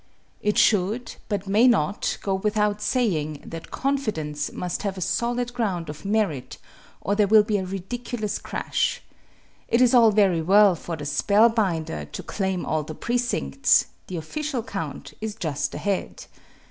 It should but may not! go without saying that confidence must have a solid ground of merit or there will be a ridiculous crash. It is all very well for the "spellbinder" to claim all the precincts the official count is just ahead.